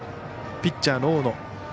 ピッチャーの大野。